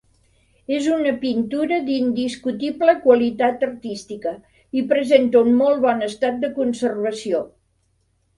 És una pintura d'indiscutible qualitat artística i presenta un molt bon estat de conservació.